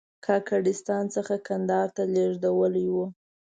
کاکړستان څخه کندهار ته لېږدېدلی و.